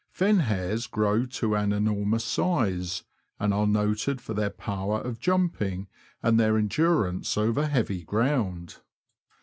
Fen hares grow to an enormous size, and are noted for their power of jumping, and their endurance over heavy ground.